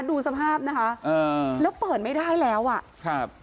ดูสภาพนะคะเออแล้วเปิดไม่ได้แล้วอ่ะครับ